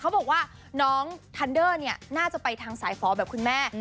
เขาบอกว่าน้องทันเดอร์เนี่ยน่าจะไปทางสายฟ้อแบบคุณแม่